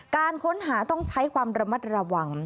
การค้นหาต้องใช้ความระมัดระวัง